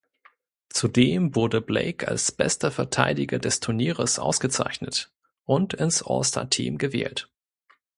Zudem wurde Blake als bester Verteidiger des Turnieres ausgezeichnet und ins All-Star-Team gewählt.